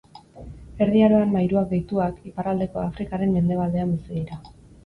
Erdi Aroan mairuak deituak, iparraldeko Afrikaren mendebaldean bizi dira.